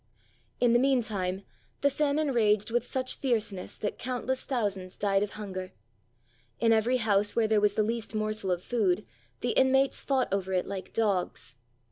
In the mean time the famine raged with such fierce ness that countless thousands died of hunger. In every house where there was the least morsel of food the in mates fought over it hke dogs.